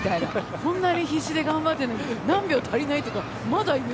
こんなに必死で頑張ってるのに何秒足りないとかまだいう？